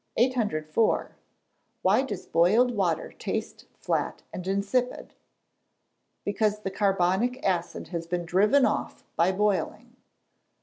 ] 804. Why does boiled water taste flat and insipid? Because the carbonic acid has been driven off by boiling.